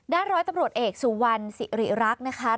ร้อยตำรวจเอกสุวรรณสิริรักษ์นะคะ